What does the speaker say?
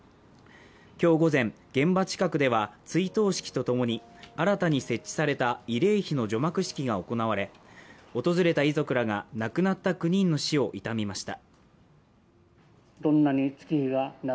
今日午前、現場近くでは追悼式とともに新たに設置された慰霊碑の除幕式が行われ、訪れた遺族らが亡くなった９人の死を悼みました。